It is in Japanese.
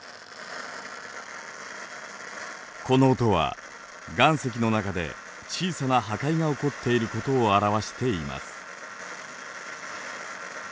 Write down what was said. この音は岩石の中で小さな破壊が起こっていることを表しています。